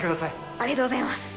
ありがとうございます。